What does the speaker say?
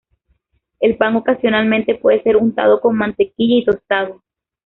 El pan ocasionalmente puede ser untado con mantequilla y tostado.